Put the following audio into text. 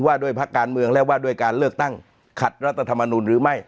ว่าด้วยพักการเมืองและว่าด้วยการเลือกตั้งขัดรัฐธรรมนุนหรือไม่